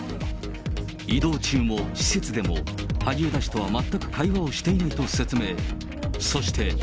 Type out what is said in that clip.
移動中も施設でも、萩生田氏とは全く会話をしていないと説明。